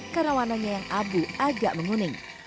karena warnanya yang abu agak menguning